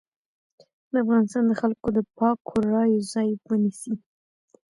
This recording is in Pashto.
د افغانستان د خلکو د پاکو رايو ځای ونيسي.